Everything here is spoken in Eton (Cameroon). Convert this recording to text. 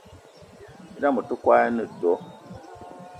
E'dam ote kwolo ene too